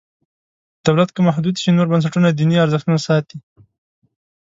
دولت که محدود شي نور بنسټونه دیني ارزښتونه ساتي.